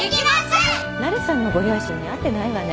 なるさんのご両親に会ってないわね。